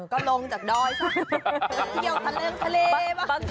ก็ลงจากดอยซะเที่ยวทะเลบ้าง